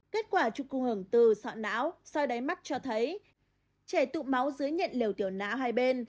kết quả chụp cung hưởng từ sọ não soi đáy mắt cho thấy trẻ tụ máu dưới nhận liều tiểu nã hai bên